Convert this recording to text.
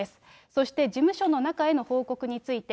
そして事務所の中への報告について。